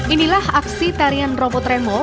inilah aksi tarian robot remo